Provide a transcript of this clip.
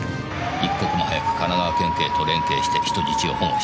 「一刻も早く神奈川県警と連携して人質を保護してください」